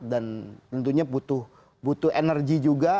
dan tentunya butuh energi juga